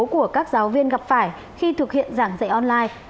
của các giáo viên gặp phải khi thực hiện giảng dạy online